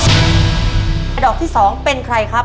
กุญแจดอกที่สองเป็นใครครับ